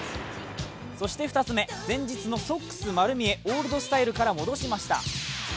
そして２つ目、前日のソックス丸見えオールドスタイルから戻しました。